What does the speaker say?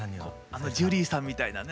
あのジュリーさんみたいなね。